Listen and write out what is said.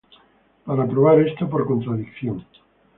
Para probar esto por contradicción,